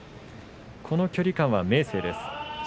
距離感は明生です。